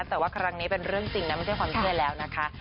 แต่ว่าครั้งนี้เป็นเรื่องจริงนะไม่ใช่ความเชื่อแล้วนะคะ